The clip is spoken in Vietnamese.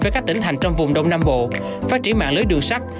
với các tỉnh thành trong vùng đông nam bộ phát triển mạng lưới đường sắt